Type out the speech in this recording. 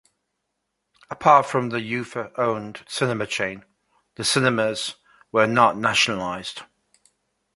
Apart from the Ufa-owned cinema chain, the cinemas were not nationalized.